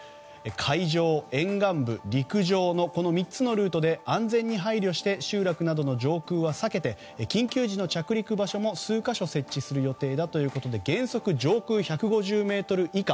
海上、沿岸部、陸上の３つのルートで安全に配慮して集落などの上空は避けて緊急時の着陸場所も数か所設置する予定だということで原則上空１５０ｍ以下。